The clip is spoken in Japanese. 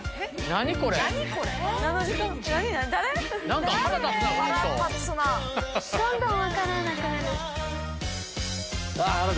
どんどん分からなくなる。